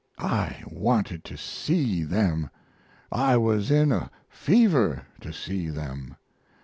I wanted to see them! I was in a fever to see them!